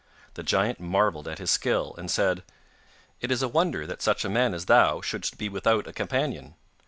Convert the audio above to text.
The giant marvelled at his skill, and said: 'It is a wonder that such a man as thou shouldst be without a companion.